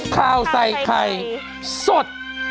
ข่าวใส่ไข่สด